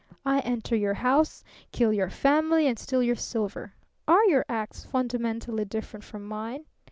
I enter your house, kill your family and steal your silver. Are your acts fundamentally different from mine?